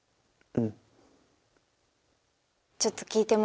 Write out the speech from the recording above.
うん。